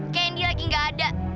candy lagi nggak ada